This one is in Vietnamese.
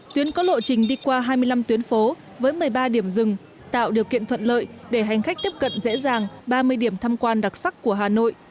tuyến có lộ trình đi qua hai mươi năm tuyến phố với một mươi ba điểm rừng tạo điều kiện thuận lợi để hành khách tiếp cận dễ dàng ba mươi điểm thăm quan đặc sắc của hà nội